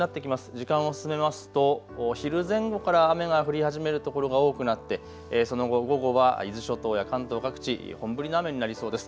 時間を進めますと昼前後から雨が降り始める所が多くなってその後、午後は伊豆諸島や関東各地本降りの雨になりそうです。